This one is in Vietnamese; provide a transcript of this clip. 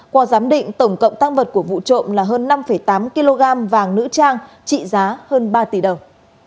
qua giám định tổng cộng tăng vật của vụ trộm là hơn năm tám kg vàng nữ trang trị giá hơn ba tỷ đồng